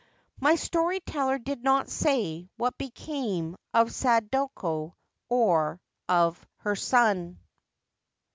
My story teller did not say what became of Sadako or of her son.